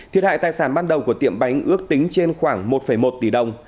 thiệt hại tài sản ban đầu của tiệm bánh ước tính trên khoảng một một tỷ đồng